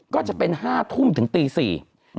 ก็จะเป็น๕ทุ่มถึงตีสี่